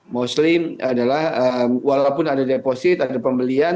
muslim adalah walaupun ada deposit ada pembelian